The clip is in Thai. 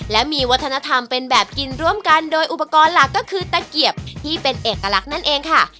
และมีวัฒนธรรมเป็นแบบกินร่วมกันโดยอุปกรณ์หลักก็คือตะเกียบที่เป็นเอกลักษณ์นั่นเองค่ะ